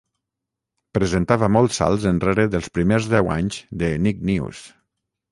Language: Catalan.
Presentava molts salts enrere dels primers deu anys de "Nick News".